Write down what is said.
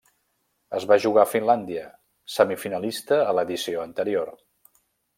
Es va jugar a Finlàndia, semifinalista a l'edició anterior.